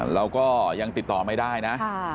เราก็ยังติดต่อไม่ได้นะ